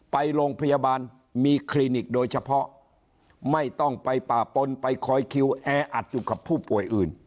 ไปโรงพยาบาลมีคลินิกโดยเฉพาะไม่ต้องไปป่าปนไปคอยคิวแออัดอยู่กับผู้ป่วยอื่น